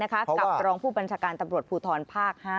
กับรองผู้บัญชาการตำรวจภูทรภาค๕